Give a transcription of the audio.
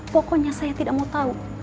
pokoknya saya tidak mau tahu